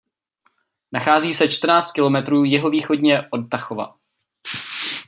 Nachází se čtrnáct kilometrů jihovýchodně od Tachova.